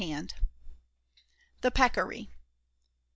THE PECCARY.